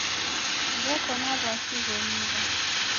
W'eko na w'asi gholiw'a.